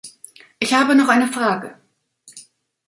Ich habe noch eine Frage.